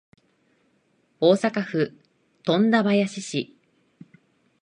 大阪府富田林市